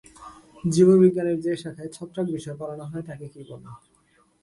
জীববিজ্ঞানের যে শাখায় ছত্রাক বিষয়ে পড়ানো হয় তাকে কী বলে?